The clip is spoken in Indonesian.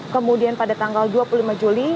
kemudian pada tanggal dua puluh lima juli